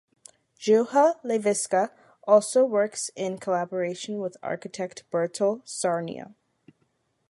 Juha Leiviskä also works in collaboration with architect Bertel Saarnio.